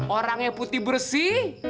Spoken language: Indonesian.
orangnya putih bersih